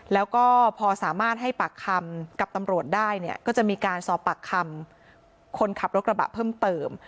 แล้วก็พอสามารถให้ปากคำกับตำรวจได้เนี่ยก็จะมีการสอบปากคำคนขับรถกระบะเพิ่มเติม